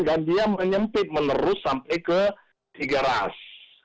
dan dia menyempit menerus sampai ke tiga ras